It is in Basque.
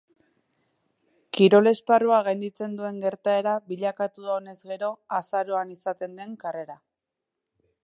Kirol esparrua gainditzen duen gertaera bilakatu da honez gero azaroan izaten den karrera.